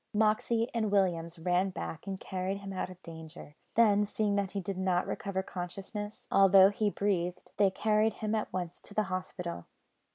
Moxey and Williams ran back, and carried him out of danger. Then, seeing that he did not recover consciousness, although he breathed, they carried him at once to the hospital.